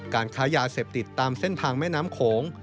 การค้ายาเสพติดตามเส้นทางแม่น้ำโขง